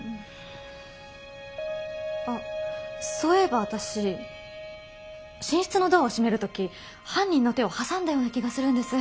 あっそういえば私寝室のドアを閉める時犯人の手を挟んだような気がするんです。